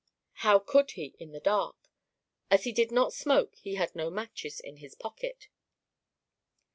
How could he in the dark? As he did not smoke he had no matches in his pocket.